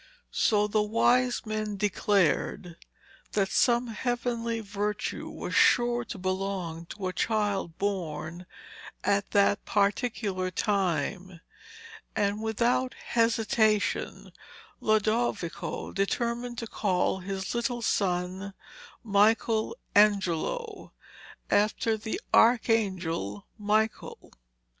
So the wise men declared that some heavenly virtue was sure to belong to a child born at that particular time, and without hesitation Lodovico determined to call his little son Michael Angelo, after the archangel Michael.